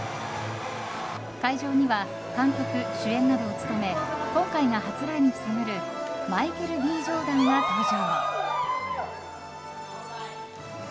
会場には監督、主演などを務め今回が初来日となるマイケル・Ｂ・ジョーダンが登場。